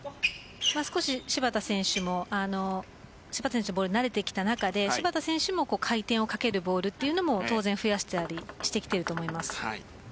少し芝田選手もボールに慣れてきた中で芝田選手も回転をかけるボールというのも当然増やしたりしてきていると思います。